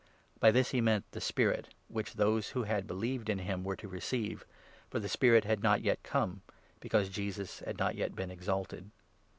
" (By this he meant the Spirit, which those who had believed in 39 him were to receive ; for the Spirit had not yet come, because Jesus had not yet been exalted.)